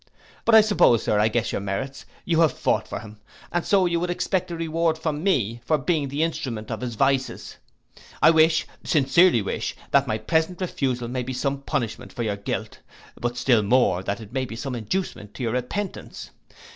But I suppose, Sir, I guess your merits, you have fought for him; and so you would expect a reward from me, for being the instrument of his vices. I wish, sincerely wish, that my present refusal may be some punishment for your guilt; but still more, that it may be some inducement to your repentance.